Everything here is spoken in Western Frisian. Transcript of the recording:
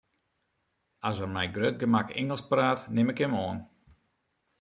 As er mei grut gemak Ingelsk praat, nim ik him oan.